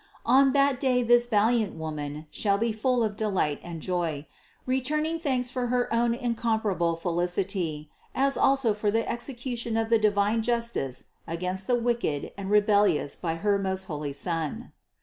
On that day this valiant Woman shall be full of delight and joy, returning thanks for her own incomparable felicity, as also for the execu tion of the divine justice against the wicked and re bellious by her most holy Son.